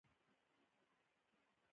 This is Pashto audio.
هغوی کولای شول، خو زړه یې نه کاوه.